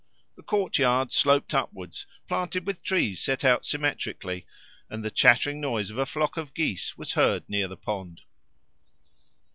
The courtyard sloped upwards, planted with trees set out symmetrically, and the chattering noise of a flock of geese was heard near the pond.